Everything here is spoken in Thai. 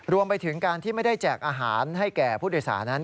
รวมไปถึงการที่ไม่ได้แจกอาหารให้แก่ผู้โดยสารนั้น